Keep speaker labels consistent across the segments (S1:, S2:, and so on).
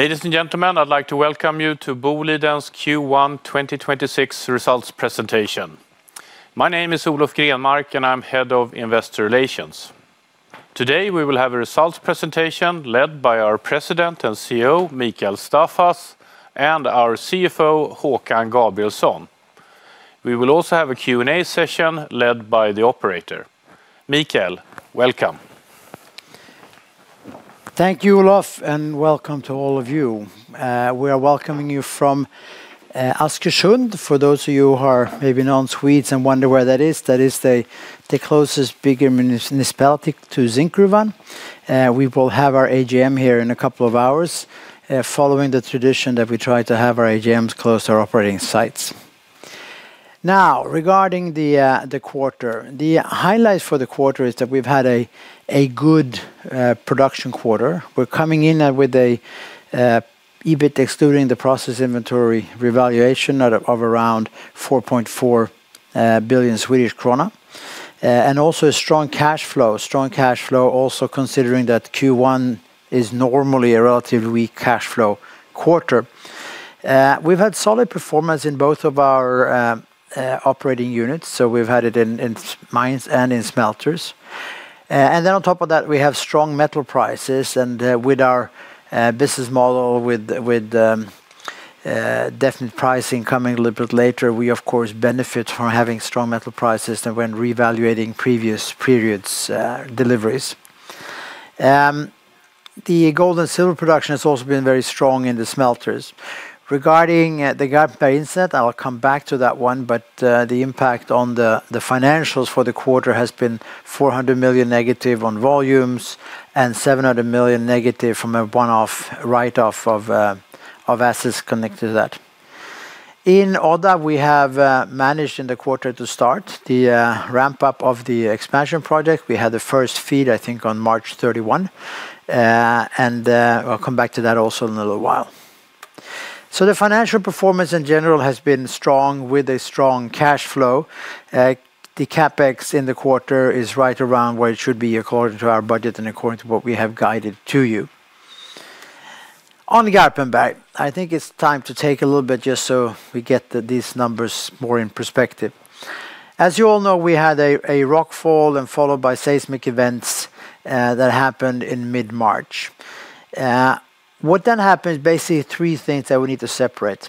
S1: Ladies and gentlemen, I'd like to welcome you to Boliden's Q1 2026 Results Presentation. My name is Olof Grenmark, and I'm Head of Investor Relations. Today, we will have a results presentation led by our President and CEO, Mikael Staffas, and our CFO, Håkan Gabrielsson. We will also have a Q&A session led by the operator. Mikael, welcome.
S2: Thank you, Olof, and welcome to all of you. We are welcoming you from Askersund. For those of you who are maybe non-Swedes and wonder where that is, that is the closest big municipality to Zinkgruvan. We will have our AGM here in a couple of hours, following the tradition that we try to have our AGMs close to our operating sites. Now, regarding the quarter. The highlight for the quarter is that we've had a good production quarter. We're coming in with an EBIT excluding the process inventory revaluation of around 4.4 billion Swedish krona, and also a strong cash flow. A strong cash flow also considering that Q1 is normally a relatively weak cash flow quarter. We've had solid performance in both of our operating units. We've had it in mines and in smelters. Then on top of that, we have strong metal prices and with our business model with deferred pricing coming a little bit later, we of course benefit from having strong metal prices rather than when reevaluating previous periods deliveries. The gold and silver production has also been very strong in the smelters. Regarding the Garpenberg site, I will come back to that one, but the impact on the financials for the quarter has been 400 million negative on volumes and 700 million negative from a one-off write-off of assets connected to that. In Odda, we have managed in the quarter to start the ramp-up of the expansion project. We had the first feed, I think, on March 31, and I'll come back to that also in a little while. The financial performance in general has been strong with a strong cash flow. The CapEx in the quarter is right around where it should be according to our budget and according to what we have guided to you. On Garpenberg, I think it's time to take a little bit just so we get these numbers more in perspective. As you all know, we had a rock fall followed by seismic events that happened in mid-March. What then happened is basically three things that we need to separate.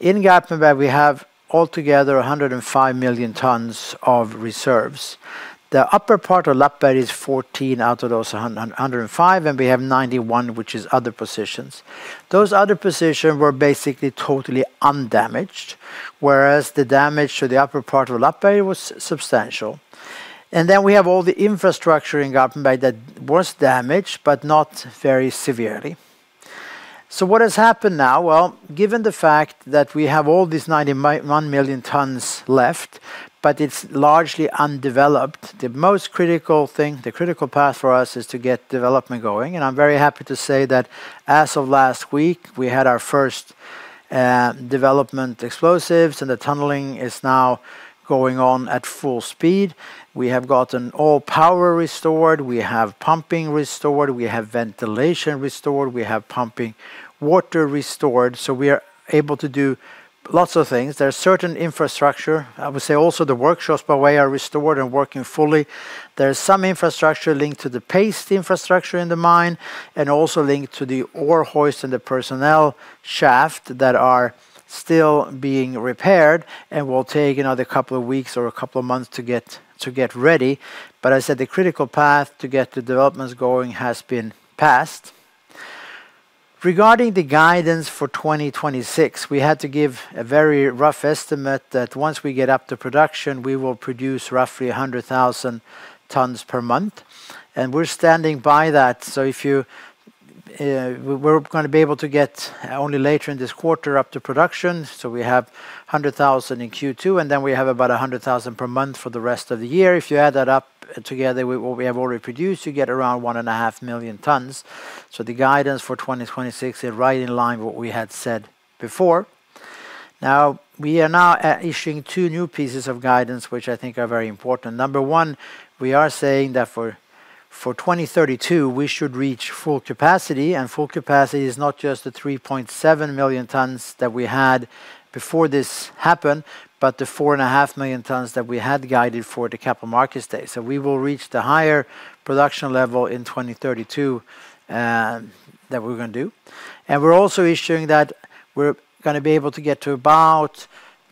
S2: In Garpenberg we have altogether 105 million tons of reserves. The upper part of Lappberget is 14 out of those 105, and we have 91, which is other positions. Those other positions were basically totally undamaged, whereas the damage to the upper part of Lappberget was substantial. We have all the infrastructure in Garpenberg that was damaged, but not very severely. What has happened now? Given the fact that we have all these 91 million tons left, but it's largely undeveloped, the most critical thing, the critical path for us, is to get development going. I'm very happy to say that as of last week, we had our first development explosives, and the tunneling is now going on at full speed. We have gotten all power restored, we have pumping restored, we have ventilation restored, we have water pumping restored, so we are able to do lots of things. There are certain infrastructure, I would say also the workshops by the way, are restored and working fully. There is some infrastructure linked to the paste infrastructure in the mine and also linked to the ore hoist and the personnel shaft that are still being repaired and will take another couple of weeks or a couple of months to get ready. I said the critical path to get the developments going has been passed. Regarding the guidance for 2026, we had to give a very rough estimate that once we get up to production, we will produce roughly 100,000 tons per month, and we're standing by that. If you, we're gonna be able to get only later in this quarter up to production, so we have 100,000 in Q2, and then we have about 100,000 per month for the rest of the year. If you add that up together with what we have already produced, you get around 1.5 million tons. The guidance for 2026 is right in line with what we had said before. Now, we are issuing two new pieces of guidance, which I think are very important. Number 1, we are saying that for 2032, we should reach full capacity, and full capacity is not just the 3.7 million tons that we had before this happened, but the 4.5 million tons that we had guided for the capital markets day. We will reach the higher production level in 2032 that we're gonna do. We're also issuing that we're gonna be able to get to about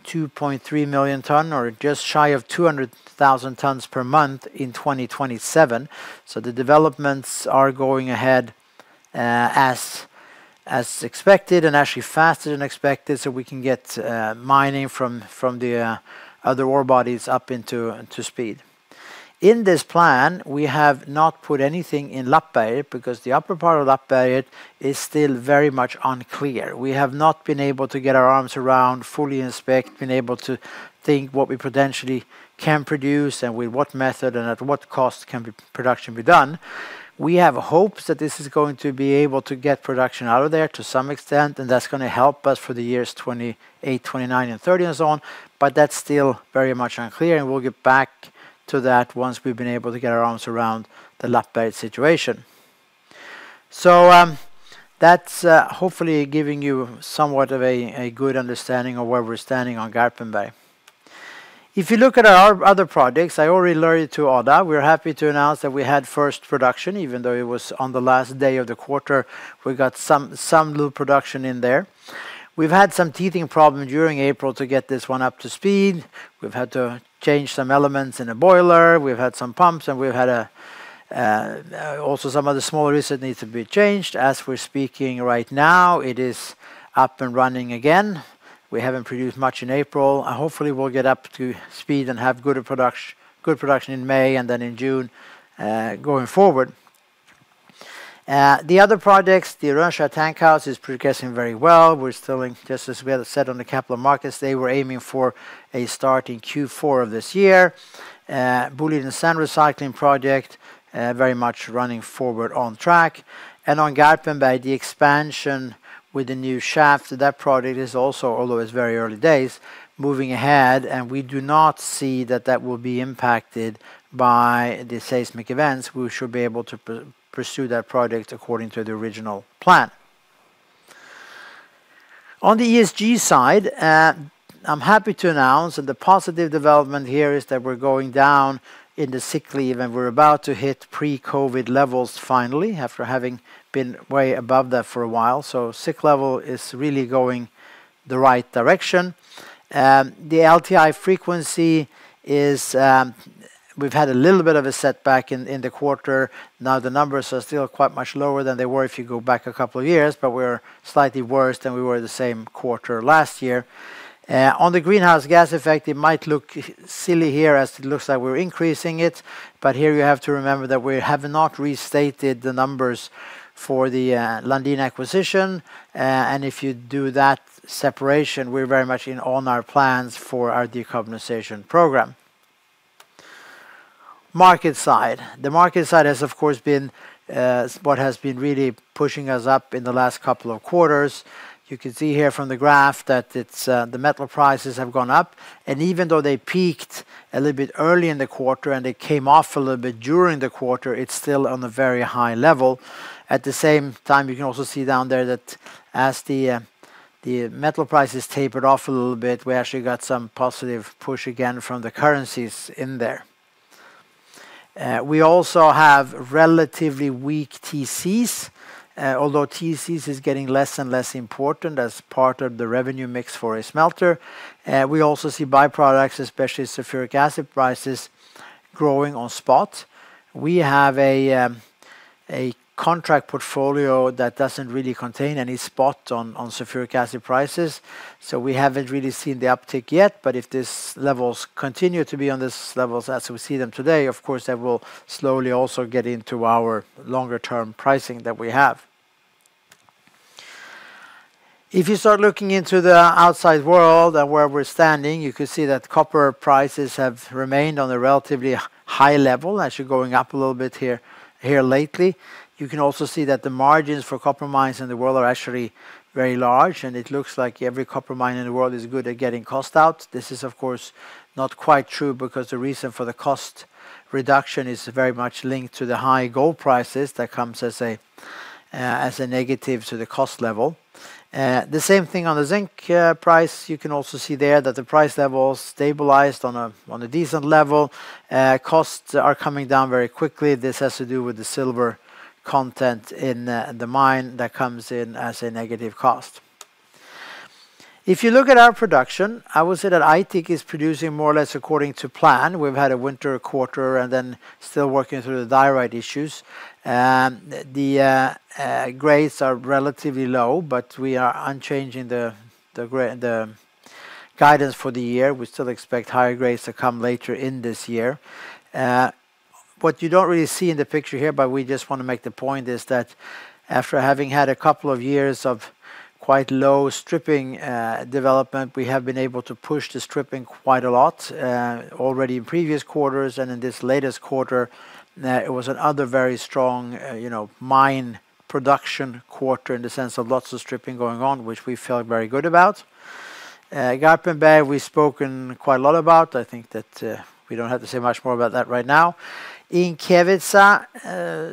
S2: 2.3 million tons or just shy of 200,000 tons per month in 2027. The developments are going ahead as expected and actually faster than expected, so we can get mining from the other ore bodies up to speed. In this plan, we have not put anything in Lappberget because the upper part of Lappberget is still very much unclear. We have not been able to get our arms around what we potentially can produce and with what method and at what cost production can be done. We have hopes that this is going to be able to get production out of there to some extent, and that's gonna help us for the years 2028, 2029, and 2030, and so on. But that's still very much unclear, and we'll get back to that once we've been able to get our arms around the Lappberget situation. That's hopefully giving you somewhat of a good understanding of where we're standing on Garpenberg. If you look at our other projects, I already alerted you to Odda. We're happy to announce that we had first production, even though it was on the last day of the quarter. We got some little production in there. We've had some teething problem during April to get this one up to speed. We've had to change some elements in a boiler. We've had some pumps, and we've had also some other smaller issues that needs to be changed. As we're speaking right now, it is up and running again. We haven't produced much in April. Hopefully, we'll get up to speed and have good production in May and then in June going forward. The other projects, the Rönnskär tankhouse is progressing very well. Just as we had said on the capital markets, they were aiming for a start in Q4 of this year. Boliden Sand Recycling project, very much running forward on track. On Garpenberg, the expansion with the new shaft, that project is also, although it's very early days, moving ahead, and we do not see that will be impacted by the seismic events. We should be able to pursue that project according to the original plan. On the ESG side, I'm happy to announce that the positive development here is that we're going down in the sick leave, and we're about to hit pre-COVID levels finally, after having been way above that for a while. Sick level is really going the right direction. The LTI frequency is, we've had a little bit of a setback in the quarter. Now the numbers are still quite much lower than they were if you go back a couple of years, but we're slightly worse than we were the same quarter last year. On the greenhouse gas effect, it might look silly here as it looks like we're increasing it. Here you have to remember that we have not restated the numbers for the Lundin acquisition. If you do that separation, we're very much in on our plans for our decarbonization program. Market side. The market side has, of course, been what has been really pushing us up in the last couple of quarters. You can see here from the graph that it's the metal prices have gone up. Even though they peaked a little bit early in the quarter and they came off a little bit during the quarter, it's still on a very high level. At the same time, you can also see down there that as the metal prices tapered off a little bit, we actually got some positive push again from the currencies in there. We also have relatively weak TCs, although TCs is getting less and less important as part of the revenue mix for a smelter. We also see byproducts, especially sulfuric acid prices, growing on spot. We have a contract portfolio that doesn't really contain any spot on sulfuric acid prices, so we haven't really seen the uptick yet. If these levels continue to be on this levels as we see them today, of course, that will slowly also get into our longer term pricing that we have. If you start looking into the outside world and where we're standing, you can see that copper prices have remained on a relatively high level, actually going up a little bit here lately. You can also see that the margins for copper mines in the world are actually very large, and it looks like every copper mine in the world is good at getting cost out. This is, of course, not quite true because the reason for the cost reduction is very much linked to the high gold prices that comes as a negative to the cost level. The same thing on the zinc price. You can also see there that the price level stabilized on a decent level. Costs are coming down very quickly. This has to do with the silver content in the mine that comes in as a negative cost. If you look at our production, I would say that Aitik is producing more or less according to plan. We've had a winter quarter and then still working through the diorite issues. Grades are relatively low, but we are not changing the guidance for the year. We still expect higher grades to come later in this year. What you don't really see in the picture here, but we just want to make the point, is that after having had a couple of years of quite low stripping, development, we have been able to push the stripping quite a lot, already in previous quarters. In this latest quarter, it was another very strong, you know, mine production quarter in the sense of lots of stripping going on, which we feel very good about. Garpenberg, we've spoken quite a lot about. I think that, we don't have to say much more about that right now. In Kevitsa,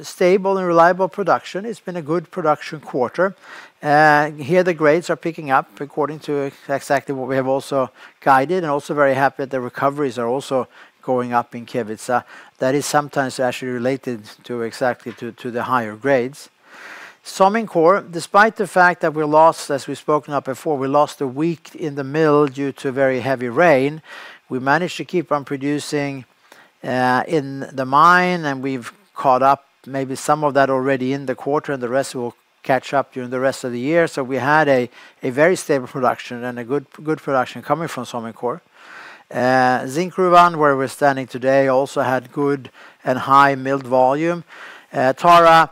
S2: stable and reliable production, it's been a good production quarter. Here the grades are picking up according to exactly what we have also guided, and also very happy that the recoveries are also going up in Kevitsa. That is sometimes actually related to the higher grades. Somincor, despite the fact that we lost, as we've spoken of before, we lost a week in the mill due to very heavy rain. We managed to keep on producing in the mine, and we've caught up maybe some of that already in the quarter, and the rest will catch up during the rest of the year. We had a very stable production and a good production coming from Somincor. Zinkgruvan, where we're standing today, also had good and high milled volume. Tara,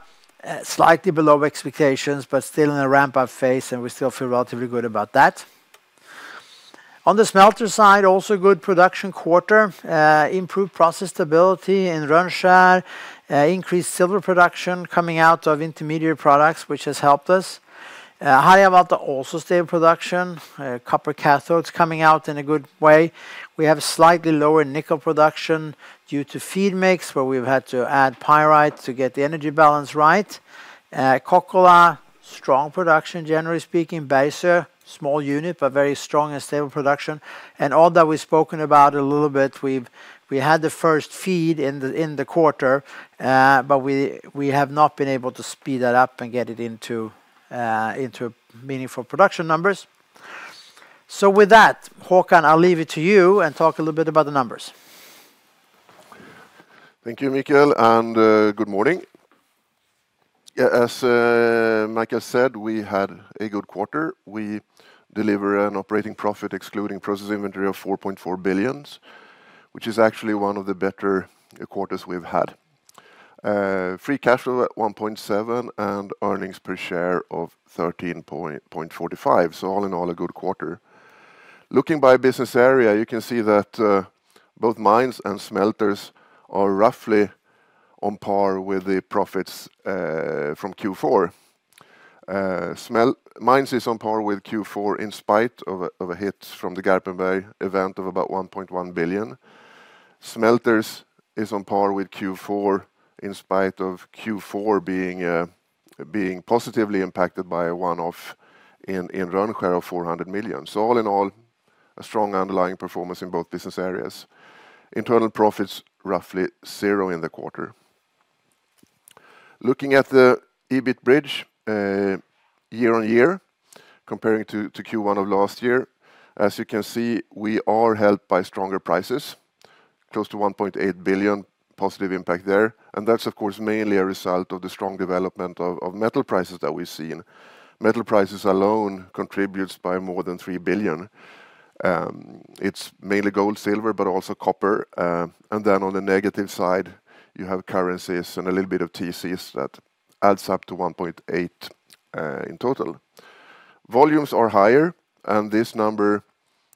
S2: slightly below expectations, but still in a ramp-up phase, and we still feel relatively good about that. On the smelter side, also good production quarter, improved process stability in Rönnskär, increased silver production coming out of intermediate products, which has helped us. Harjavalta also stable production. Copper cathodes coming out in a good way. We have slightly lower nickel production due to feed mix where we've had to add pyrite to get the energy balance right. Kokkola, strong production generally speaking. Bergsöe, small unit, but very strong and stable production. All that we've spoken about a little bit, we had the first feed in the quarter, but we have not been able to speed that up and get it into meaningful production numbers. With that, Håkan, I'll leave it to you and talk a little bit about the numbers.
S3: Thank you, Mikael, and good morning. Yeah, as Mikael said, we had a good quarter. We deliver an operating profit excluding process inventory of 4.4 billion, which is actually one of the better quarters we've had. Free cash flow at 1.7 billion, and earnings per share of 13.45. All in all, a good quarter. Looking by business area, you can see that both Mines and Smelters are roughly on par with the profits from Q4. Mines is on par with Q4 in spite of a hit from the Garpenberg event of about 1.1 billion. Smelters is on par with Q4 in spite of Q4 being positively impacted by a one-off in Rönnskär of 400 million. All in all, a strong underlying performance in both business areas. Internal profits roughly zero in the quarter. Looking at the EBIT bridge, year-over-year, comparing to Q1 of last year, as you can see, we are helped by stronger prices, close to 1.8 billion positive impact there. That's of course mainly a result of the strong development of metal prices that we've seen. Metal prices alone contributes by more than 3 billion. It's mainly gold, silver, but also copper. On the negative side, you have currencies and a little bit of TCs that adds up to 1.8 billion in total. Volumes are higher, and this number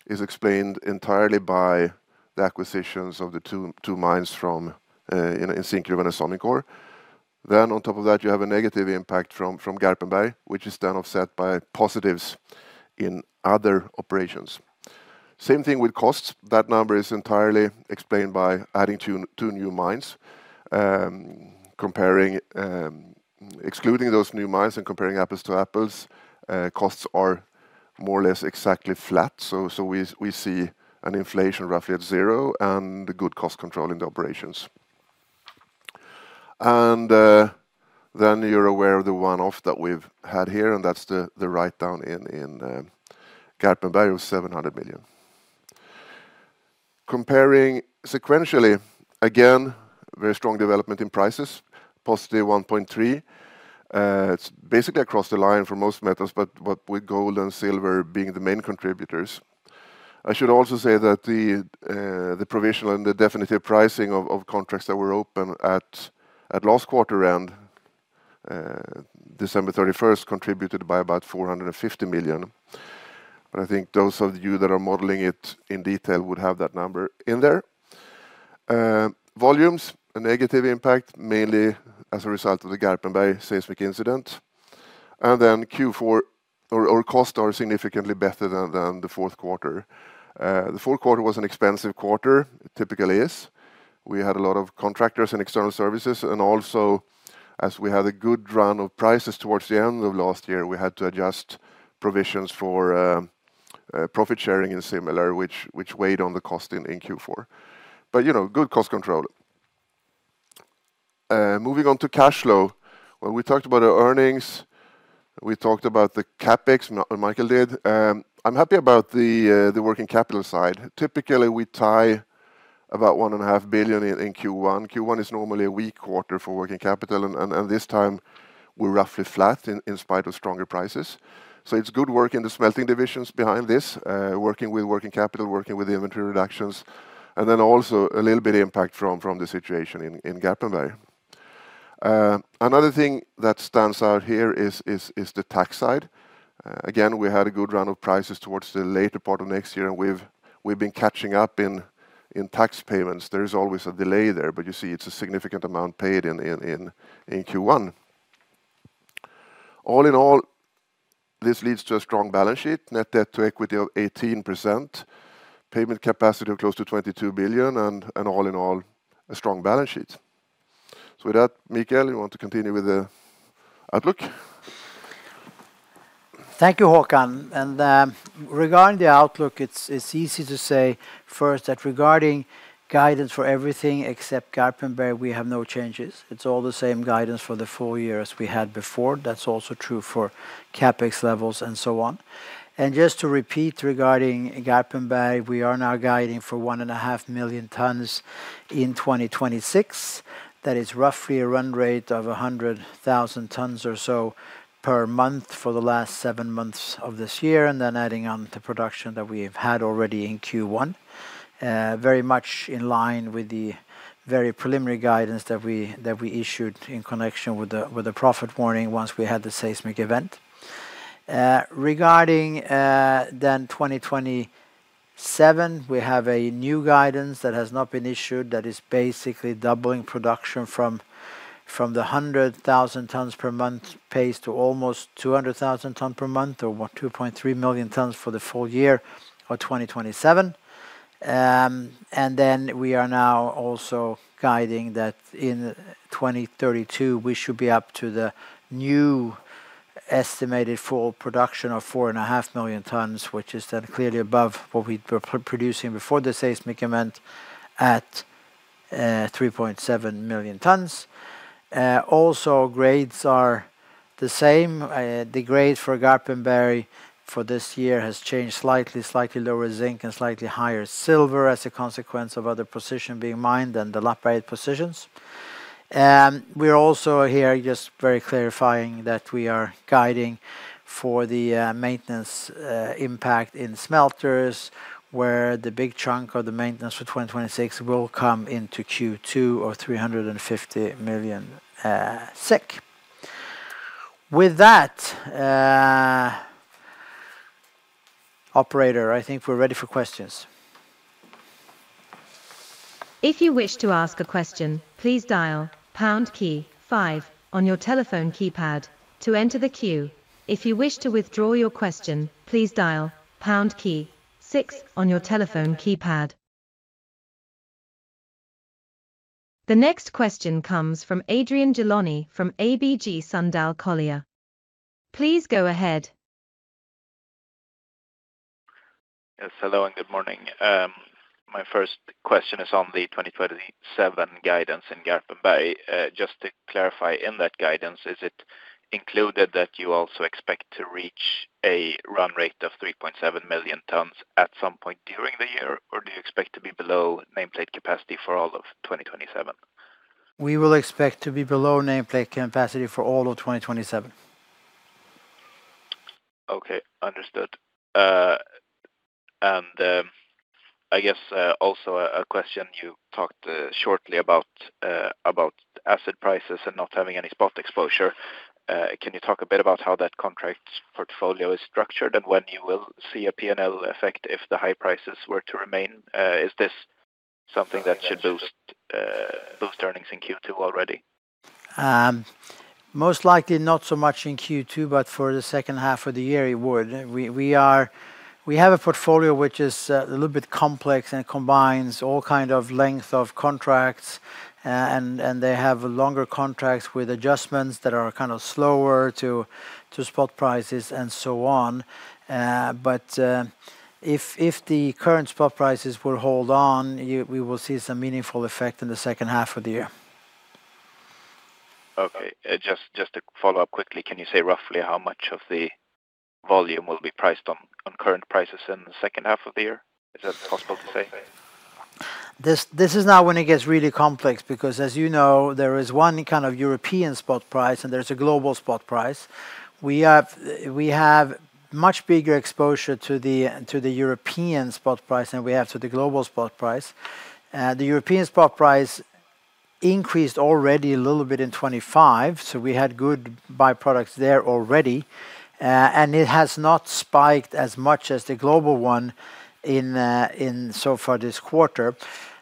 S3: is explained entirely by the acquisitions of the two mines from Lundin Mining, Zinkgruvan and Somincor. On top of that, you have a negative impact from Garpenberg, which is then offset by positives in other operations. Same thing with costs. That number is entirely explained by adding two new mines. Excluding those new mines and comparing apples to apples, costs are more or less exactly flat. We see an inflation roughly at zero and good cost control in the operations. You're aware of the one-off that we've had here, and that's the write down in Garpenberg of 700 million. Comparing sequentially, again, very strong development in prices, +1.3%. It's basically across the line for most metals, but with gold and silver being the main contributors. I should also say that the provisional and the definitive pricing of contracts that were open at last quarter end, December 31, contributed by about 450 million. I think those of you that are modeling it in detail would have that number in there. Volumes, a negative impact, mainly as a result of the Garpenberg seismic incident. Q4 or costs are significantly better than the fourth quarter. The fourth quarter was an expensive quarter. It typically is. We had a lot of contractors and external services, and also as we had a good run of prices towards the end of last year, we had to adjust provisions for profit sharing and similar, which weighed on the cost in Q4. You know, good cost control. Moving on to cash flow. When we talked about our earnings, we talked about the CapEx, Mikael did. I'm happy about the working capital side. Typically, we tie about 1.5 billion in Q1. Q1 is normally a weak quarter for working capital, and this time we're roughly flat in spite of stronger prices. It's good work in the smelting divisions behind this, working with working capital, working with inventory reductions, and then also a little bit of impact from the situation in Garpenberg. Another thing that stands out here is the tax side. Again, we had a good run of prices towards the later part of next year, and we've been catching up in tax payments. There is always a delay there, but you see it's a significant amount paid in Q1. All in all, this leads to a strong balance sheet, net debt to equity of 18%, payment capacity of close to 22 billion, and all in all, a strong balance sheet. With that, Mikael, you want to continue with the outlook?
S2: Thank you, Håkan. Regarding the outlook, it's easy to say first that regarding guidance for everything except Garpenberg, we have no changes. It's all the same guidance for the full year as we had before. That's also true for CapEx levels and so on. Just to repeat regarding Garpenberg, we are now guiding for 1.5 million tons in 2026. That is roughly a run rate of 100,000 tons or so per month for the last seven months of this year, and then adding on the production that we have had already in Q1. Very much in line with the very preliminary guidance that we issued in connection with the profit warning once we had the seismic event. Regarding 2027, we have a new guidance that has not been issued that is basically doubling production from the 100,000 tons per month pace to almost 200,000 tons per month or what 2.3 million tons for the full year of 2027. We are now also guiding that in 2032 we should be up to the new estimated full production of 4.5 million tons, which is then clearly above what we were producing before the seismic event at 3.7 million tons. Grades are the same. The grade for Garpenberg for this year has changed slightly. Slightly lower zinc and slightly higher silver as a consequence of other positions being mined and the Lappberget positions. We're also here just very clarifying that we are guiding for the maintenance impact in smelters, where the big chunk of the maintenance for 2026 will come into Q2 of 350 million SEK. With that, operator, I think we're ready for questions.
S4: If you wish to ask a question please dial pound key five on your telephone keypad, to enter the queue. If you wish to withdraw your question please dial pound key six on your telephone keypad. The next question comes from Adrian Gilani from ABG Sundal Collier. Please go ahead.
S5: Yes, hello and good morning. My first question is on the 2027 guidance in Garpenberg. Just to clarify, in that guidance, is it included that you also expect to reach a run rate of 3.7 million tons at some point during the year? Or do you expect to be below nameplate capacity for all of 2027?
S2: We will expect to be below nameplate capacity for all of 2027.
S5: Okay. Understood. I guess also a question you talked shortly about acid prices and not having any spot exposure. Can you talk a bit about how that contract portfolio is structured? When you will see a P&L effect if the high prices were to remain? Is this something that should boost earnings in Q2 already?
S2: Most likely not so much in Q2, but for the second half of the year it would. We have a portfolio which is a little bit complex and combines all kind of length of contracts and they have longer contracts with adjustments that are kind of slower to spot prices and so on. But if the current spot prices will hold on, we will see some meaningful effect in the second half of the year.
S5: Okay. Just to follow up quickly, can you say roughly how much of the volume will be priced on current prices in the second half of the year? Is that possible to say?
S2: This is now when it gets really complex because as you know, there is one kind of European spot price and there's a global spot price. We have much bigger exposure to the European spot price than we have to the global spot price. The European spot price increased already a little bit in 2025, so we had good byproducts there already. It has not spiked as much as the global one so far this quarter.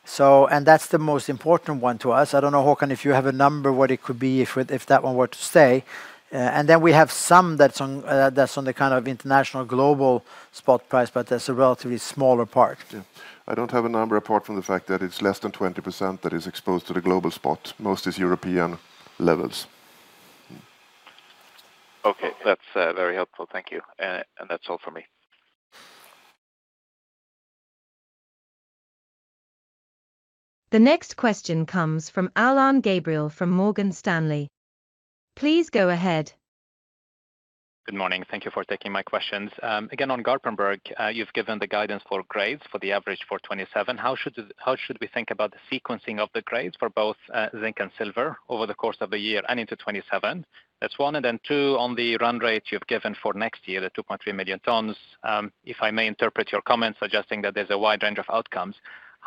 S2: That's the most important one to us. I don't know, Håkan, if you have a number what it could be if that one were to stay. Then we have some that's on the kind of international global spot price, but that's a relatively smaller part.
S3: Yeah. I don't have a number apart from the fact that it's less than 20% that is exposed to the global spot. Most is European levels.
S5: Okay. That's very helpful. Thank you. That's all for me.
S4: The next question comes from Alain Gabriel from Morgan Stanley. Please go ahead.
S6: Good morning. Thank you for taking my questions. Again, on Garpenberg, you've given the guidance for grades for the average for 2027. How should we think about the sequencing of the grades for both zinc and silver over the course of the year and into 2027? That's one. Two, on the run rate you've given for next year, the 2.3 million tons, if I may interpret your comments suggesting that there's a wide range of outcomes,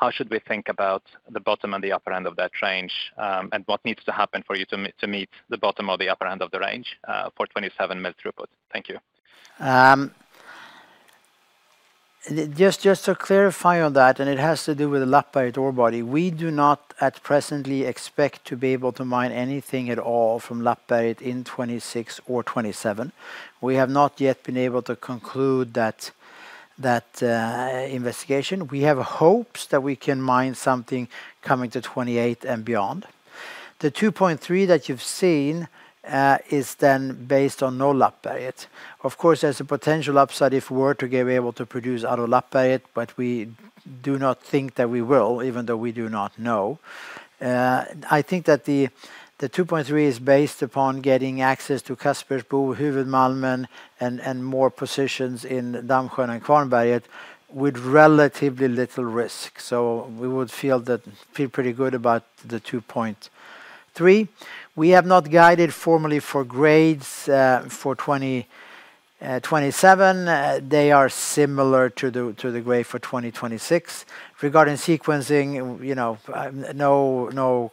S6: how should we think about the bottom and the upper end of that range? And what needs to happen for you to meet the bottom or the upper end of the range for 2027 mil throughput? Thank you.
S2: Just to clarify on that, and it has to do with the Lappberget ore body, we do not at presently expect to be able to mine anything at all from Lappberget in 2026 or 2027. We have not yet been able to conclude that investigation. We have hopes that we can mine something coming to 2028 and beyond. The 2.3 million tons that you've seen is then based on no Lappberget. Of course, there's a potential upside if we were to be able to produce out of Lappberget, but we do not think that we will, even though we do not know. I think that the 2.3 million tons is based upon getting access to Kaspersbo Huvudmalmen and more positions in Dammsjön and Kvarnberget with relatively little risk. We would feel pretty good about the 2.3 million tons. We have not guided formally for grades for 2027. They are similar to the grade for 2026. Regarding sequencing, no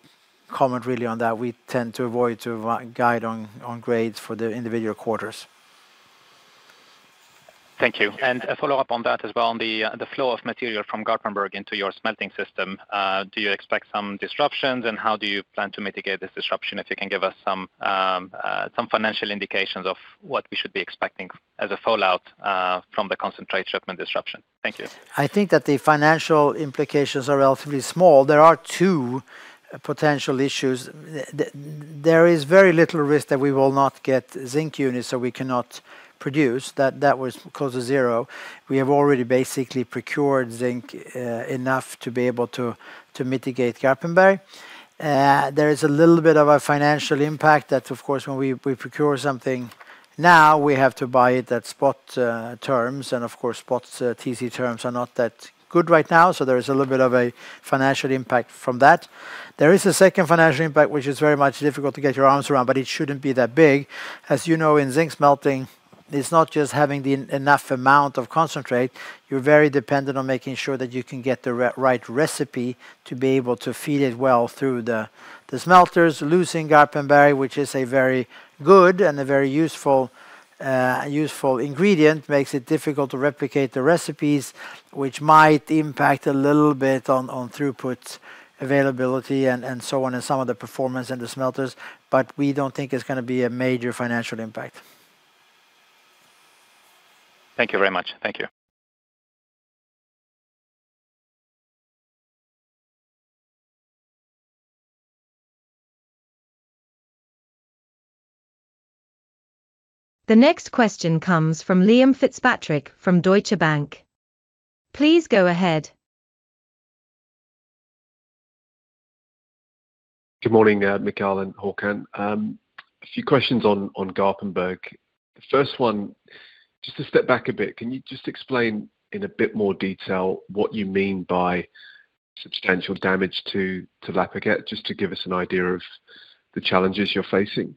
S2: comment really on that. We tend to avoid to guide on grades for the individual quarters.
S6: Thank you. A follow-up on that as well on the flow of material from Garpenberg into your smelting system. Do you expect some disruptions, and how do you plan to mitigate this disruption? If you can give us some financial indications of what we should be expecting as a fallout from the concentrate shipment disruption. Thank you.
S2: I think that the financial implications are relatively small. There are two potential issues. There is very little risk that we will not get zinc units, so we cannot produce. That was close to zero. We have already basically procured zinc enough to be able to mitigate Garpenberg. There is a little bit of a financial impact that, of course, when we procure something now, we have to buy it at spot terms. Of course, spot TC terms are not that good right now, so there is a little bit of a financial impact from that. There is a second financial impact which is very much difficult to get your arms around, but it shouldn't be that big. As you know, in zinc smelting, it's not just having enough amount of concentrate. You're very dependent on making sure that you can get the right recipe to be able to feed it well through the smelters. Losing Garpenberg, which is a very good and a very useful ingredient, makes it difficult to replicate the recipes, which might impact a little bit on throughput availability and so on and some of the performance in the smelters. But we don't think it's gonna be a major financial impact.
S6: Thank you very much. Thank you.
S4: The next question comes from Liam Fitzpatrick from Deutsche Bank. Please go ahead.
S7: Good morning, Mikael and Håkan. A few questions on Garpenberg. The first one, just to step back a bit, can you just explain in a bit more detail what you mean by substantial damage to Lappberget? Just to give us an idea of the challenges you're facing.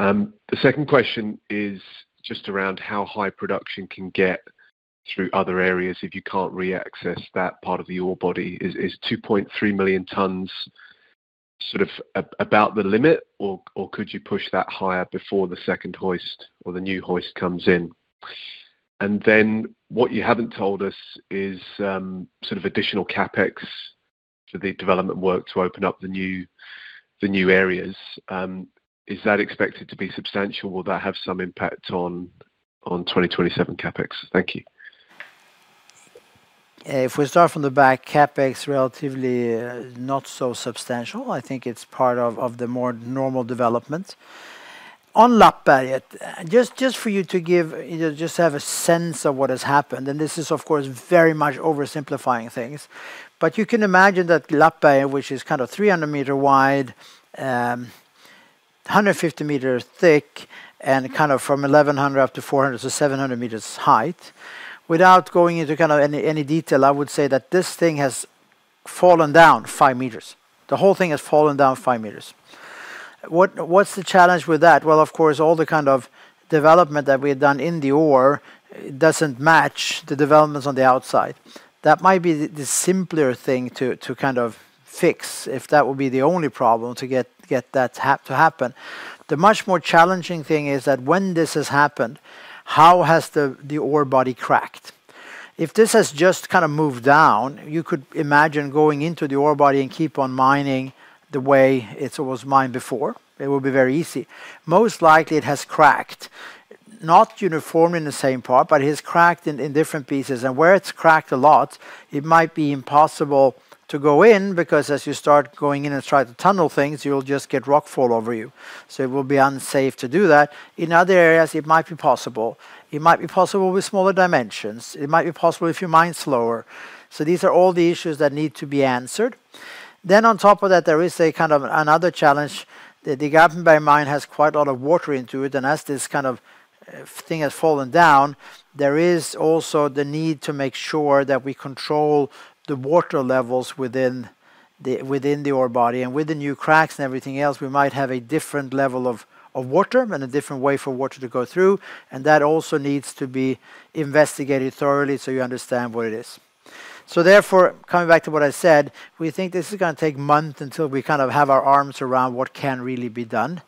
S7: The second question is just around how high production can get through other areas if you can't re-access that part of the ore body. Is 2.3 million tons sort of about the limit, or could you push that higher before the second hoist or the new hoist comes in? What you haven't told us is sort of additional CapEx for the development work to open up the new areas. Is that expected to be substantial? Will that have some impact on 2027 CapEx? Thank you.
S2: If we start from the back, CapEx relatively not so substantial. I think it's part of the more normal development. On Lappberget, just for you to give you a sense of what has happened, and this is of course very much oversimplifying things. You can imagine that Lappberget, which is kind of 300-meter wide, 150-meter thick and kind of from 1,100 meters up to 400 meters, so 700 meters height. Without going into kind of any detail, I would say that this thing has fallen down 5 meters. The whole thing has fallen down 5 meters. What's the challenge with that? Well, of course, all the kind of development that we had done in the ore doesn't match the developments on the outside. That might be the simpler thing to kind of fix, if that would be the only problem to get that to happen. The much more challenging thing is that when this has happened, how has the ore body cracked? If this has just kind of moved down, you could imagine going into the ore body and keep on mining the way it was mined before. It will be very easy. Most likely it has cracked, not uniform in the same part, but it has cracked in different pieces. Where it's cracked a lot, it might be impossible to go in because as you start going in and try to tunnel things, you'll just get rock fall over you. It will be unsafe to do that. In other areas, it might be possible. It might be possible with smaller dimensions. It might be possible if you mine slower. These are all the issues that need to be answered. On top of that, there is a kind of another challenge. The Garpenberg mine has quite a lot of water into it, and as this kind of thing has fallen down, there is also the need to make sure that we control the water levels within the ore body. With the new cracks and everything else, we might have a different level of water and a different way for water to go through. That also needs to be investigated thoroughly so you understand what it is. Therefore, coming back to what I said, we think this is gonna take months until we kind of have our arms around what can really be done.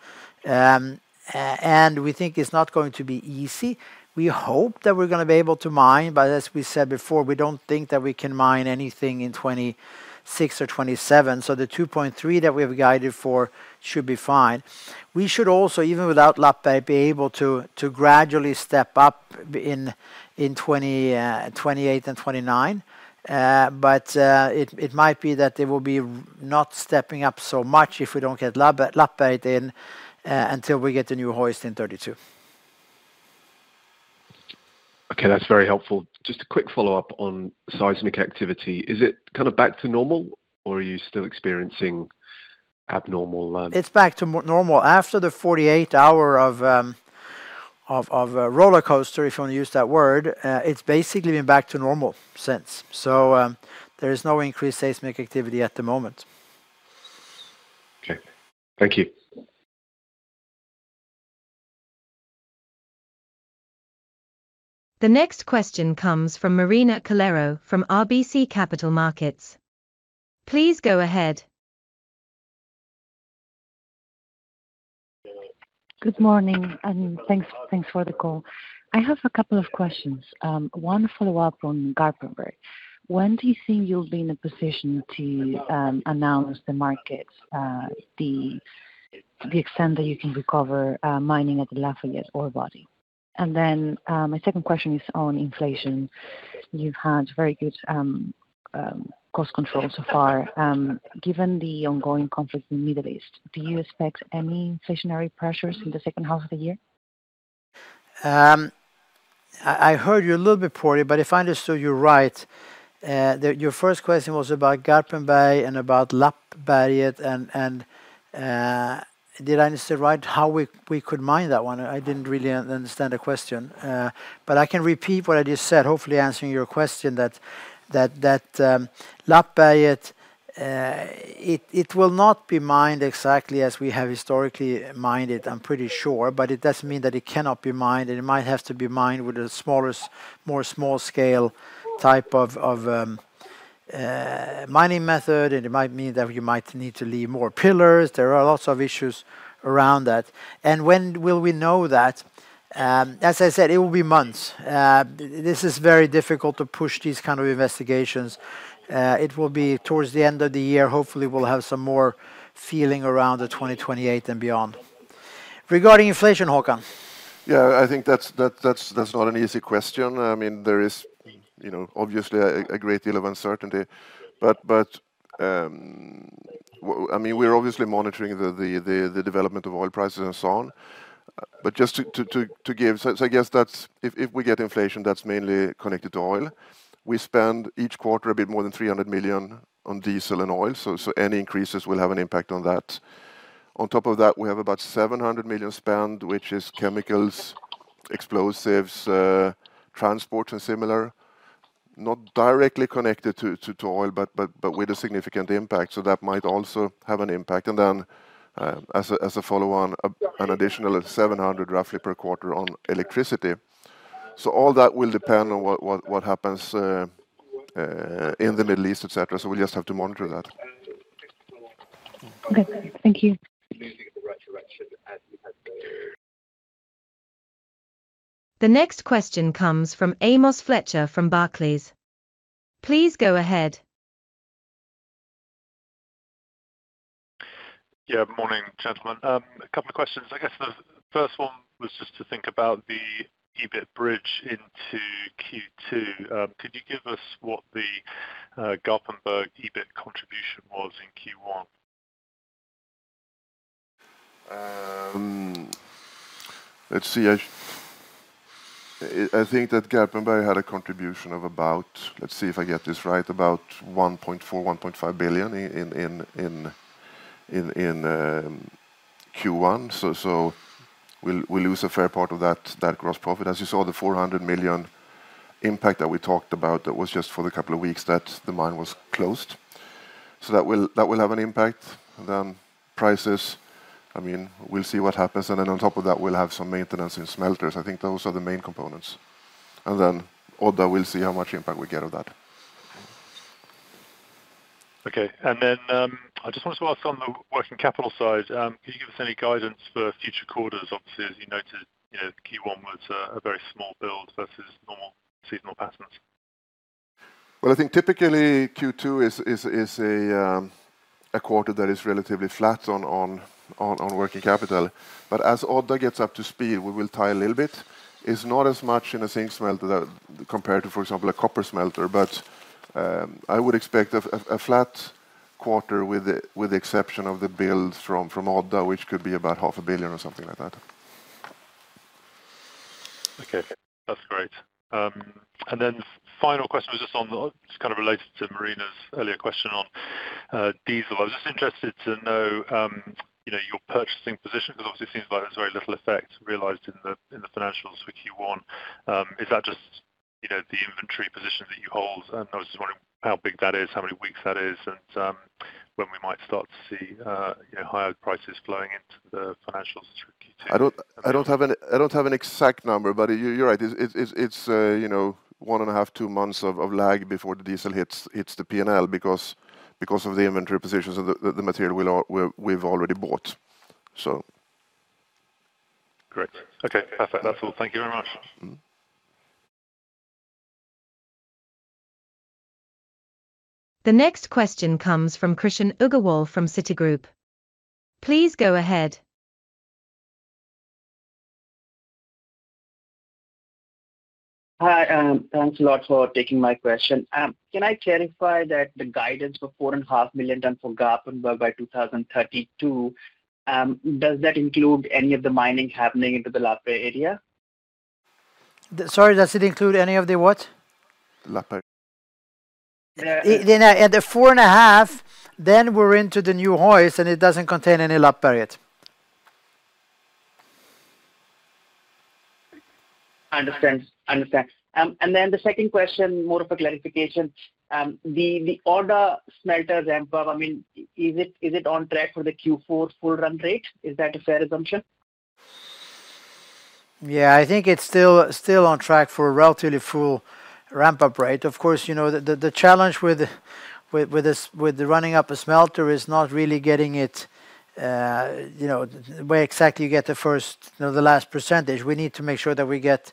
S2: We think it's not going to be easy. We hope that we're gonna be able to mine, but as we said before, we don't think that we can mine anything in 2026 or 2027. The 2.3 million tons that we have guided for should be fine. We should also, even without Lappberget, be able to gradually step up in 2028 and 2029. It might be that they will not be stepping up so much if we don't get Lappberget in until we get the new hoist in 2032.
S7: Okay, that's very helpful. Just a quick follow-up on seismic activity. Is it kind of back to normal or are you still experiencing abnormal?
S2: It's back to normal. After the 48 hour of rollercoaster, if you want to use that word, it's basically been back to normal since. There is no increased seismic activity at the moment.
S7: Okay. Thank you.
S4: The next question comes from Marina Calero from RBC Capital Markets. Please go ahead.
S8: Good morning, and thanks for the call. I have a couple of questions. One follow-up on Garpenberg. When do you think you'll be in a position to announce to the markets the extent that you can recover mining at the Lappberget ore body? My second question is on inflation. You've had very good cost control so far. Given the ongoing conflict in the Middle East, do you expect any inflationary pressures in the second half of the year?
S2: I heard you a little bit poorly, but if I understood you right, your first question was about Garpenberg and about Lappberget and did I understand right how we could mine that one? I didn't really understand the question. I can repeat what I just said, hopefully answering your question that Lappberget it will not be mined exactly as we have historically mined it, I'm pretty sure. It doesn't mean that it cannot be mined, and it might have to be mined with a smaller, more small scale type of mining method. It might mean that we might need to leave more pillars. There are lots of issues around that. When will we know that? As I said, it will be months. This is very difficult to push these kind of investigations. It will be towards the end of the year. Hopefully, we'll have some more feeling around the 2028 and beyond. Regarding inflation, Håkan.
S3: Yeah. I think that's not an easy question. I mean, there is you know obviously a great deal of uncertainty. But I mean, we're obviously monitoring the development of oil prices and so on. I guess that's if we get inflation that's mainly connected to oil. We spend each quarter a bit more than 300 million on diesel and oil, so any increases will have an impact on that. On top of that, we have about 700 million spend, which is chemicals, explosives, transport and similar, not directly connected to oil, but with a significant impact. That might also have an impact. As a follow on, an additional roughly SEK 700 million per quarter on electricity. All that will depend on what happens in the Middle East, et cetera. We'll just have to monitor that.
S8: Okay. Thank you.
S4: The next question comes from Amos Fletcher from Barclays. Please go ahead.
S9: Yeah. Morning, gentlemen. A couple of questions. I guess the first one was just to think about the EBIT bridge into Q2. Could you give us what the Garpenberg EBIT contribution was in Q1?
S3: I think that Garpenberg had a contribution of about, let's see if I get this right, about 1.4 billion-1.5 billion in Q1. We'll lose a fair part of that gross profit. As you saw, the 400 million impact that we talked about, that was just for the couple of weeks that the mine was closed. That will have an impact. Prices, I mean, we'll see what happens. On top of that, we'll have some maintenance in smelters. I think those are the main components. Odda, we'll see how much impact we get of that.
S9: Okay. I just wanted to ask on the working capital side, can you give us any guidance for future quarters? Obviously, as you noted, you know, Q1 was a very small build versus normal seasonal patterns.
S3: Well, I think typically Q2 is a quarter that is relatively flat on working capital. As Odda gets up to speed, we will tie a little bit. It's not as much in a zinc smelter as compared to, for example, a copper smelter. I would expect a flat quarter with the exception of the build from Odda, which could be about 500 million or something like that.
S9: Okay. That's great. Final question was just related to Marina's earlier question on diesel. I was just interested to know, you know, your purchasing position because obviously it seems like there's very little effect realized in the financials for Q1. Is that just, you know, the inventory position that you hold? I was just wondering how big that is, how many weeks that is, and when we might start to see, you know, higher prices flowing into the financials through Q2.
S3: I don't have an exact number, but you're right. It's you know, 1.5-2 months of lag before the diesel hits the P&L because of the inventory positions of the material we've already bought, so.
S9: Great. Okay, perfect. That's all. Thank you very much.
S3: Mm-hmm.
S4: The next question comes from Krishan Agarwal from Citigroup. Please go ahead.
S10: Hi, thanks a lot for taking my question. Can I clarify that the guidance for 4.5 million tons for Garpenberg by 2032, does that include any of the mining happening into the Lappberget area?
S2: Sorry, does it include any of the what?
S3: Lappberget.
S10: Yeah.
S2: The 4.5 million tons, then we're into the new hoist, and it doesn't contain any Lappberget.
S10: Understand. The second question, more of a clarification. The Odda smelter ramp up, I mean, is it on track for the Q4 full run rate? Is that a fair assumption?
S2: Yeah, I think it's still on track for a relatively full ramp-up rate. Of course, you know, the challenge with this with running up a smelter is not really getting it, you know, where exactly you get the first, you know, the last percentage. We need to make sure that we get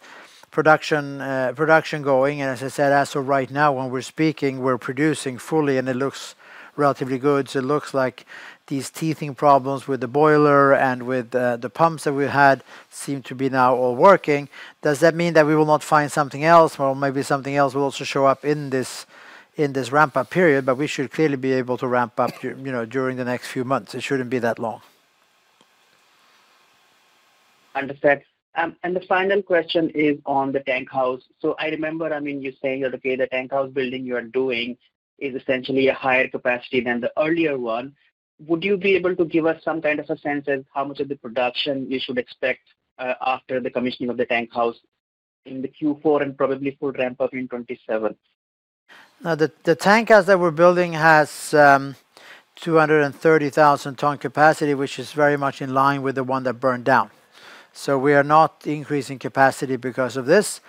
S2: production production going. As I said, as of right now, when we're speaking, we're producing fully, and it looks relatively good. So it looks like these teething problems with the boiler and with the pumps that we had seem to be now all working. Does that mean that we will not find something else or maybe something else will also show up in this, in this ramp-up period? We should clearly be able to ramp up during you know, during the next few months. It shouldn't be that long.
S10: Understood. The final question is on the tankhouse. I remember, I mean, you saying that, okay, the tankhouse building you are doing is essentially a higher capacity than the earlier one. Would you be able to give us some kind of a sense of how much of the production we should expect, after the commissioning of the tankhouse in the Q4 and probably full ramp-up in 2027?
S2: Now, the tankhouse that we're building has 230,000 ton capacity, which is very much in line with the one that burned down. We are not increasing capacity because of this.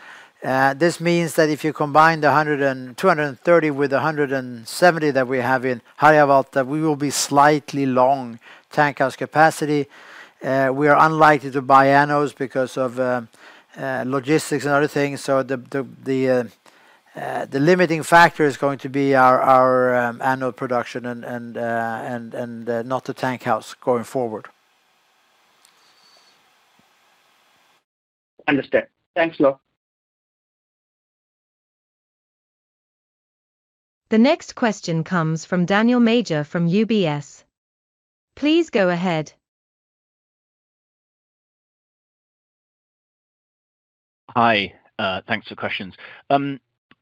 S2: This means that if you combine the 100 ton and 230 ton with the 170 ton that we have in High Level, that we will be slightly long tankhouse capacity. We are unlikely to buy anodes because of logistics and other things. The limiting factor is going to be our anode production and not the tankhouse going forward.
S10: Understood. Thanks a lot.
S4: The next question comes from Daniel Major from UBS. Please go ahead.
S11: Hi, thanks for questions.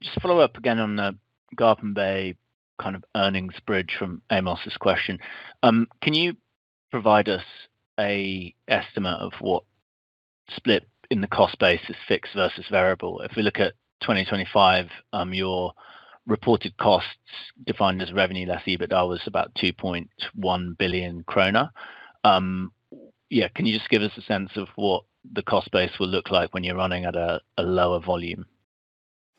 S11: Just follow up again on the Garpenberg kind of earnings bridge from Amos's question. Can you provide us a estimate of what split in the cost base is fixed versus variable? If we look at 2025, your reported costs defined as revenue less EBITDA was about 2.1 billion krona. Yeah, can you just give us a sense of what the cost base will look like when you're running at a lower volume?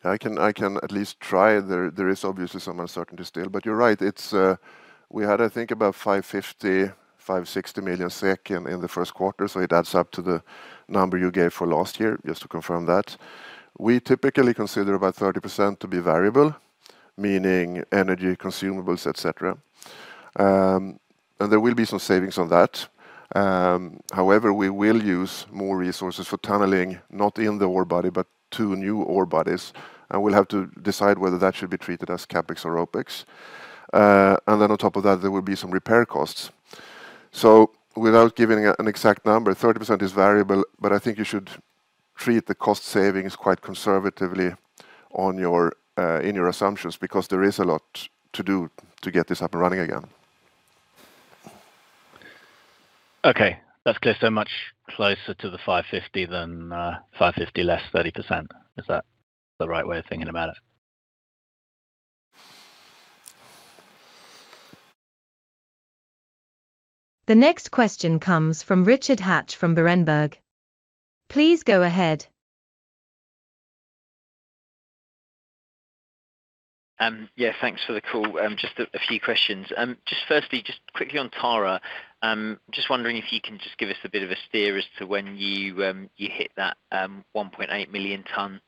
S3: I can at least try. There is obviously some uncertainty still, but you're right. It's we had, I think, about 550 million-560 million SEK in the first quarter, so it adds up to the number you gave for last year, just to confirm that. We typically consider about 30% to be variable, meaning energy consumables, et cetera. There will be some savings on that. However, we will use more resources for tunneling, not in the ore body, but two new ore bodies, and we'll have to decide whether that should be treated as CapEx or OpEx. On top of that, there will be some repair costs. Without giving an exact number, 30% is variable, but I think you should treat the cost savings quite conservatively in your assumptions, because there is a lot to do to get this up and running again.
S11: Okay. That's clear. Much closer to the 550 million than 550 million less 30%. Is that the right way of thinking about it?
S4: The next question comes from Richard Hatch from Berenberg. Please go ahead.
S12: Yeah, thanks for the call. Just a few questions. Just firstly, just quickly on Tara. Just wondering if you can just give us a bit of a steer as to when you hit that 1.8 million ton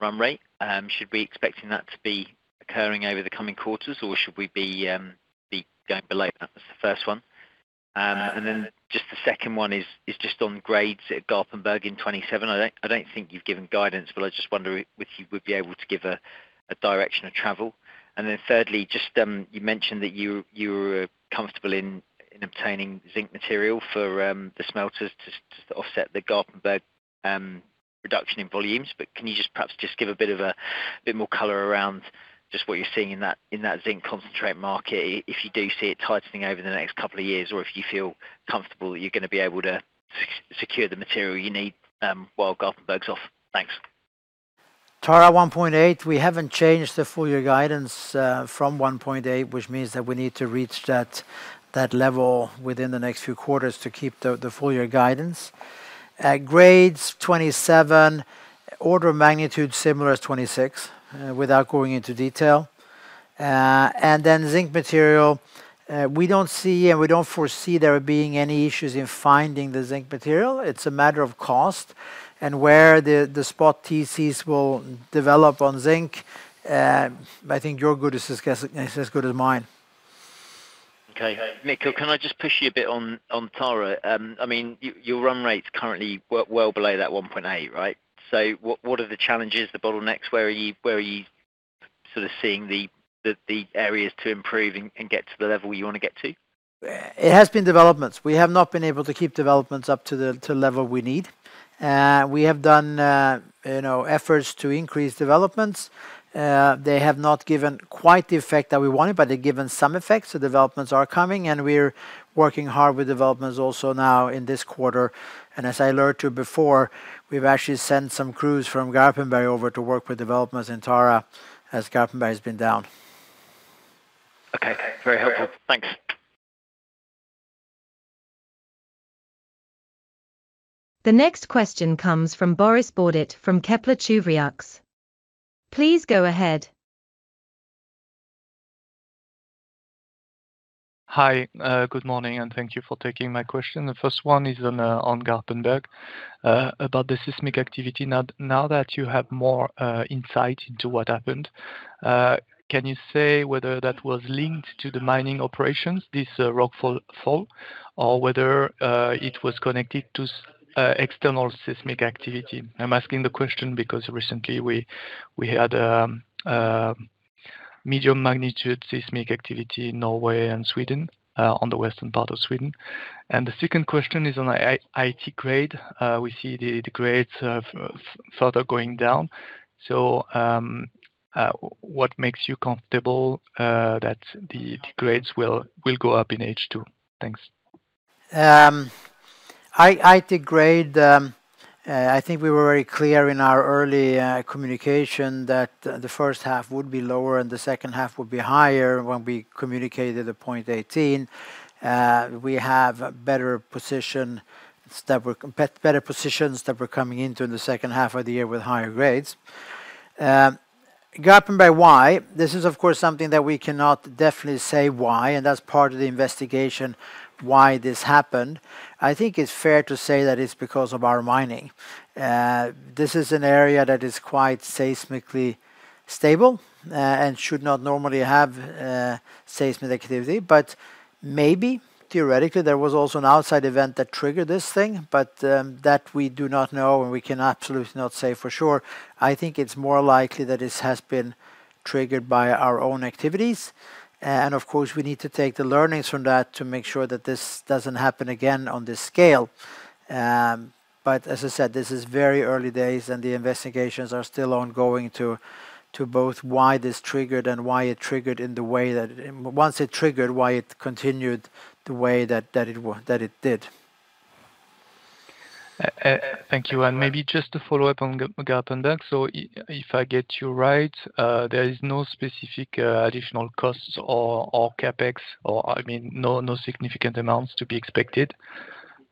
S12: run rate. Should we expecting that to be occurring over the coming quarters, or should we be going below that? That's the first one. Just the second one is just on grades at Garpenberg in 2027. I don't think you've given guidance, but I just wonder if you would be able to give a direction of travel. Thirdly, you mentioned that you were comfortable in obtaining zinc material for the smelters to offset the Garpenberg reduction in volumes. Can you perhaps just give a bit more color around just what you're seeing in that zinc concentrate market? If you do see it tightening over the next couple of years, or if you feel comfortable that you're gonna be able to secure the material you need, while Garpenberg’s off. Thanks.
S2: There at 1.8 million ton, we haven't changed the full year guidance from 1.8 million ton, which means that we need to reach that level within the next few quarters to keep the full year guidance. At grades 27, order of magnitude similar as 26, without going into detail. Zinc material, we don't see and we don't foresee there being any issues in finding the zinc material. It's a matter of cost and where the spot TCs will develop on zinc. I think your guess is as good as mine.
S12: Okay. Mikael, can I just push you a bit on Tara? I mean, your run rate's currently well below that 1.8 million ton, right? What are the challenges, the bottlenecks? Where are you sort of seeing the areas to improve and get to the level you wanna get to?
S2: It has been developments. We have not been able to keep developments up to the level we need. We have done, you know, efforts to increase developments. They have not given quite the effect that we wanted, but they've given some effects. The developments are coming, and we're working hard with developments also now in this quarter. As I alerted you before, we've actually sent some crews from Garpenberg over to work with developments in Tara as Garpenberg has been down.
S12: Okay. Very helpful. Thanks.
S4: The next question comes from Boris Bourdet from Kepler Cheuvreux. Please go ahead.
S13: Hi. Good morning, and thank you for taking my question. The first one is on Garpenberg about the seismic activity. Now that you have more insight into what happened, can you say whether that was linked to the mining operations, this rock fall, or whether it was connected to external seismic activity? I'm asking the question because recently we had medium magnitude seismic activity in Norway and Sweden on the western part of Sweden. The second question is on Aitik grade. We see the grades further going down. So, what makes you comfortable that the grades will go up in H2? Thanks.
S2: Aitik grade, I think we were very clear in our early communication that the first half would be lower and the second half would be higher when we communicated at 0.18. We have better positions that we're coming into in the second half of the year with higher grades. Garpenberg why? This is of course something that we cannot definitely say why, and that's part of the investigation why this happened. I think it's fair to say that it's because of our mining. This is an area that is quite seismically stable, and should not normally have seismic activity. Maybe theoretically, there was also an outside event that triggered this thing. That we do not know, and we can absolutely not say for sure. I think it's more likely that this has been triggered by our own activities. Of course we need to take the learnings from that to make sure that this doesn't happen again on this scale. As I said, this is very early days and the investigations are still ongoing to both why this triggered and why it triggered in the way that it did. Once it triggered, why it continued the way that it did.
S13: Thank you. Maybe just to follow up on Garpenberg. If I get you right, there is no specific additional costs or CapEx, I mean, no significant amounts to be expected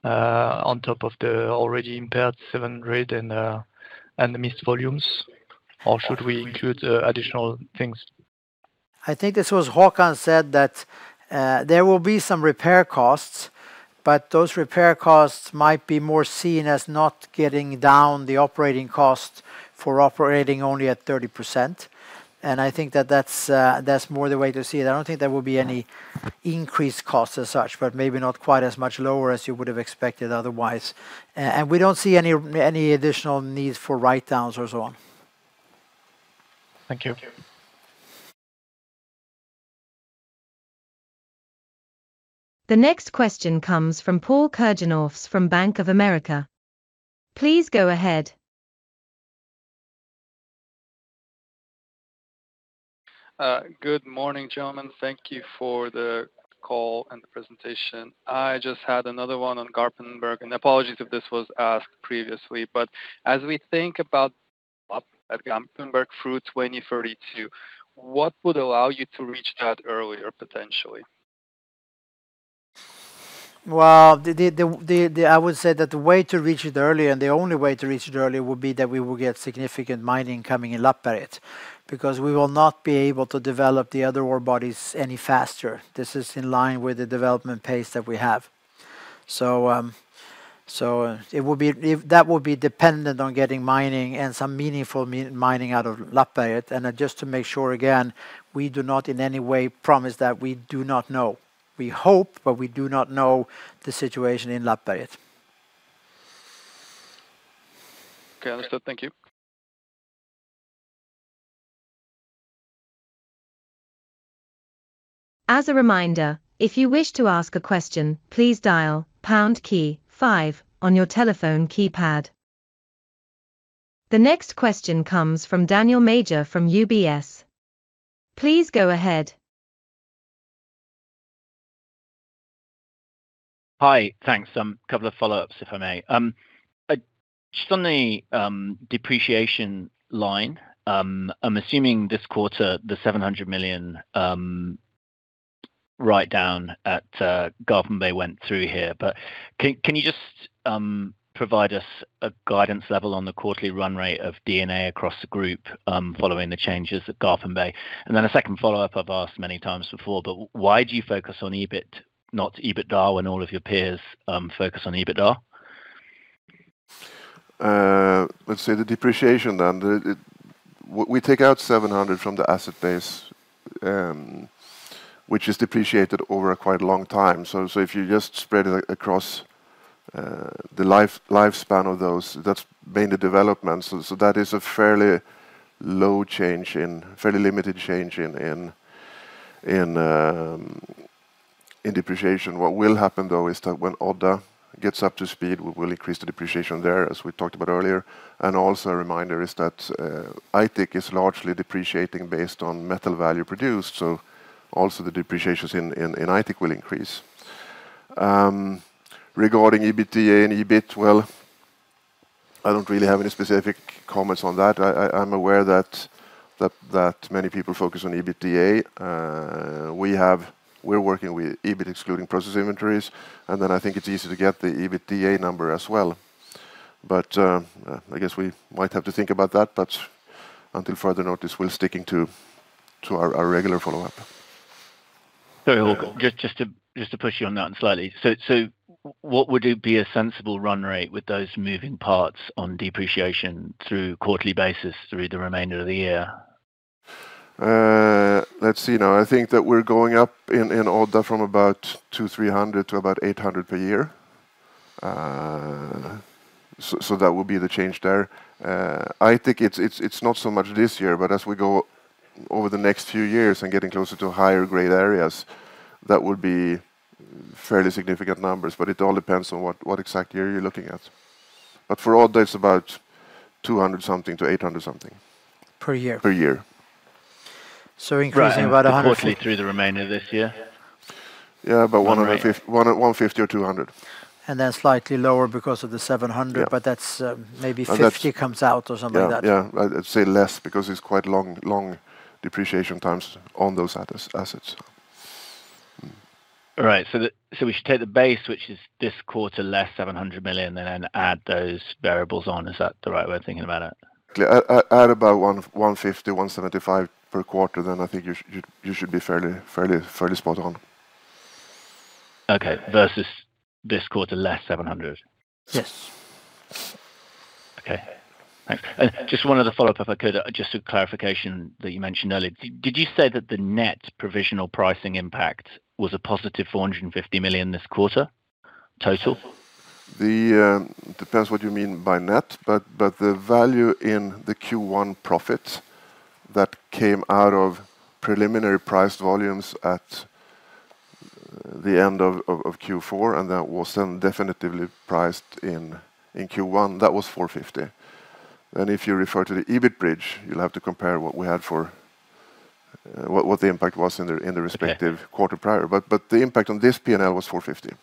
S13: on top of the already impaired 700 million and the missed volumes, or should we include additional things?
S2: I think this was Håkan said that there will be some repair costs, but those repair costs might be more seen as not getting down the operating cost for operating only at 30%. I think that that's more the way to see it. I don't think there will be any increased costs as such, but maybe not quite as much lower as you would have expected otherwise. We don't see any additional needs for write-downs or so on.
S13: Thank you.
S4: The next question comes from Pavel Kirjanovs from Bank of America. Please go ahead.
S14: Good morning, gentlemen. Thank you for the call and the presentation. I just had another one on Garpenberg, and apologies if this was asked previously. As we think about Garpenberg through 2032, what would allow you to reach that earlier potentially?
S2: Well, I would say that the way to reach it earlier and the only way to reach it earlier would be that we will get significant mining coming in Lappberget, because we will not be able to develop the other ore bodies any faster. This is in line with the development pace that we have. It would be dependent on getting mining and some meaningful mining out of Lappberget. Just to make sure again, we do not in any way promise that we do not know. We hope, but we do not know the situation in Lappberget.
S14: Okay. Understood. Thank you.
S4: As a reminder, if you wish to ask a question, please dial pound key five on your telephone keypad. The next question comes from Daniel Major from UBS. Please go ahead.
S11: Hi. Thanks. Couple of follow-ups, if I may. Just on the depreciation line, I'm assuming this quarter, the 700 million write down at Garpenberg went through here. Can you just provide us a guidance level on the quarterly run rate of D&A across the group, following the changes at Garpenberg? Then a second follow-up I've asked many times before, but why do you focus on EBIT, not EBITDA, when all of your peers focus on EBITDA?
S3: Let's say the depreciation then. We take out 700 million from the asset base, which is depreciated over a quite long time. If you just spread it across the lifespan of those, that's been the development. That is a fairly limited change in depreciation. What will happen though is that when Odda gets up to speed, we will increase the depreciation there, as we talked about earlier. Also a reminder is that Aitik is largely depreciating based on metal value produced. Also the depreciations in Aitik will increase. Regarding EBITDA and EBIT, well, I don't really have any specific comments on that. I'm aware that many people focus on EBITDA. We're working with EBIT excluding process inventories, and then I think it's easy to get the EBITDA number as well. I guess we might have to think about that. Until further notice, we're sticking to our regular follow-up.
S11: Sorry, Håkan. Just to push you on that slightly. What would be a sensible run rate with those moving parts on depreciation on a quarterly basis through the remainder of the year?
S3: Let's see now. I think that we're going up in order from about 200-300 to about 800 per year. That would be the change there. I think it's not so much this year, but as we go over the next few years and getting closer to higher grade areas, that would be fairly significant numbers, but it all depends on what exact year you're looking at. For all, there's about 200-something to 800-something.
S11: Per year?
S3: Per year.
S11: Increasing about 100- Right. Quarterly through the remainder of this year?
S3: Yeah, about 150 150 or 200.
S2: slightly lower because of the 700-
S3: Yeah.
S2: But that's, um, maybe-
S3: And that's-
S2: 50 comes out or something like that.
S3: Yeah, yeah. I'd say less because it's quite long depreciation times on those assets.
S11: Right. We should take the base, which is this quarter less 700 million, and then add those variables on. Is that the right way of thinking about it?
S3: Add about 150-175 per quarter, then I think you should be fairly spot on.
S11: Okay. Versus this quarter, less 700 million.
S2: Yes.
S11: Okay. Thanks. Just one other follow-up, if I could, just a clarification that you mentioned earlier. Did you say that the net provisional pricing impact was a positive 450 million this quarter total?
S3: It depends what you mean by net, but the value in the Q1 profit that came out of preliminary priced volumes at the end of Q4, and that was then definitively priced in Q1, that was 450 million. If you refer to the EBIT bridge, you'll have to compare what the impact was in the respective-
S11: Okay.
S3: quarter prior. The impact on this P&L was 450 million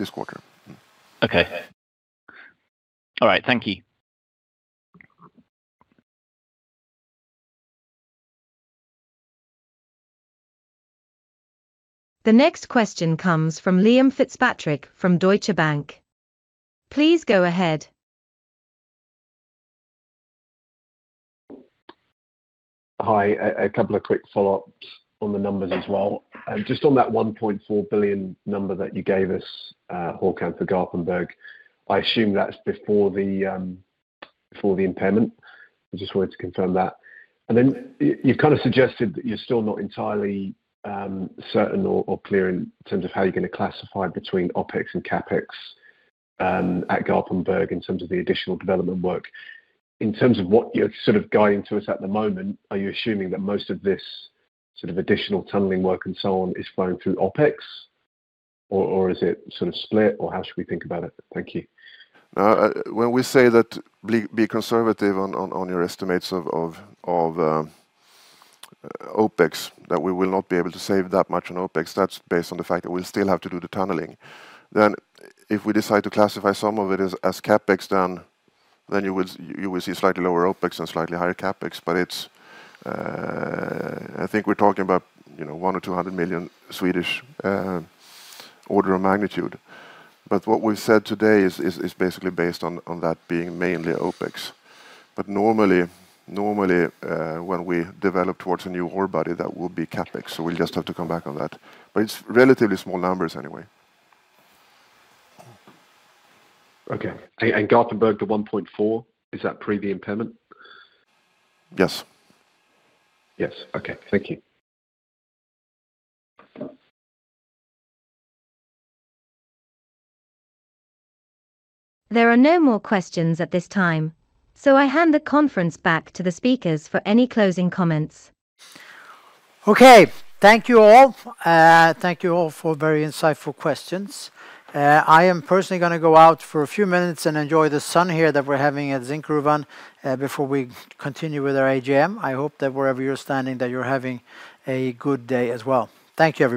S3: this quarter.
S11: Okay. All right. Thank you.
S4: The next question comes from Liam Fitzpatrick from Deutsche Bank. Please go ahead.
S7: Hi. A couple of quick follow-ups on the numbers as well. Just on that 1.4 billion number that you gave us, Håkan, for Garpenberg, I assume that's before the impairment. I just wanted to confirm that. Then you've kind of suggested that you're still not entirely certain or clear in terms of how you're going to classify between OpEx and CapEx at Garpenberg, in terms of the additional development work. In terms of what you're sort of guiding to us at the moment, are you assuming that most of this sort of additional tunneling work and so on is flowing through OpEx? Or is it sort of split, or how should we think about it? Thank you.
S3: Now, when we say that be conservative on your estimates of OpEx, that we will not be able to save that much on OpEx, that's based on the fact that we'll still have to do the tunneling. If we decide to classify some of it as CapEx, then you will see slightly lower OpEx and slightly higher CapEx. It's, I think we're talking about, you know, 100 million-200 million order of magnitude. What we've said today is basically based on that being mainly OpEx. Normally, when we develop towards a new ore body, that will be CapEx, so we'll just have to come back on that. It's relatively small numbers anyway.
S7: Garpenberg, the 1.4 billion, is that pre the impairment?
S3: Yes.
S7: Yes. Okay. Thank you.
S4: There are no more questions at this time, so I hand the conference back to the speakers for any closing comments.
S2: Okay. Thank you all. Thank you all for very insightful questions. I am personally gonna go out for a few minutes and enjoy the sun here that we're having at Zinkgruvan before we continue with our AGM. I hope that wherever you're standing, that you're having a good day as well. Thank you everyone.